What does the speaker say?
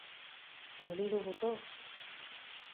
Oli lubuto?